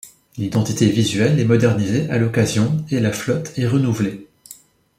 L'identité visuelle est modernisée à l'occasion et la flotte est renouvelée.